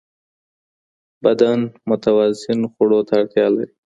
بدن متوازن خوړو ته اړتیا لري.